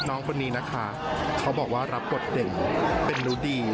น้องคนนี้นะคะเขาบอกว่ารับบทเด่นเป็นรู้ดี